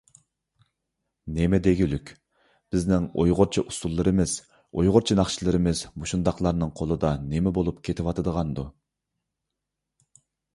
نېمە دېگۈلۈك؟ بىزنىڭ ئۇيغۇرچە ئۇسسۇللىرىمىز، ئۇيغۇرچە ناخشىلىرىمىز مۇشۇنداقلارنىڭ قولىدا نېمە بولۇپ كېتىۋاتىدىغاندۇ؟